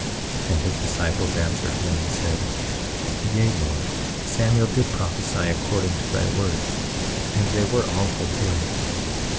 23:10 And his disciples answered him and said: Yea, Lord, Samuel did prophesy according to thy words, and they were all fulfilled.